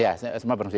iya semua berfungsi